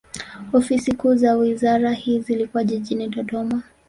Ofisi kuu za wizara hii zilikuwa jijini Dodoma.